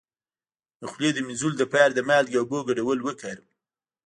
د خولې د مینځلو لپاره د مالګې او اوبو ګډول وکاروئ